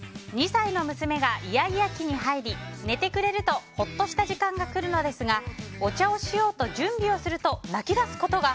２歳の娘がイヤイヤ期に入り寝てくれるとほっとした時間が来るのですがお茶をしようと準備をすると泣き出すことが。